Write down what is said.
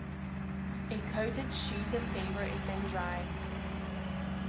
A coated sheet of paper is then dried.